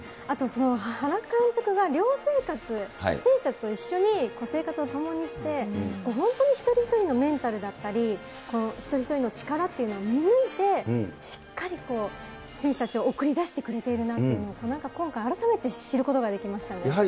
あと原監督が寮生活、選手たちと一緒に生活を共にして、本当に一人一人のメンタルだったり、一人一人の力っていうのを見抜いて、しっかり選手たちを送り出してくれているなっていうふうに、今回、改めて知ることができましたね。